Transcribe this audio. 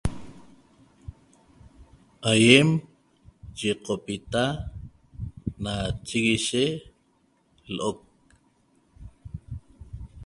Aýem yeqopita na chiguishe lo'oc